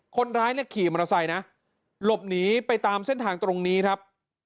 คนร้ายเนี่ยขี่มอเตอร์ไซค์นะหลบหนีไปตามเส้นทางตรงนี้ครับ